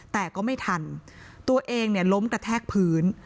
แต่ก็ไม่ทันตัวเองเนี่ยล้มกระแทกพื้น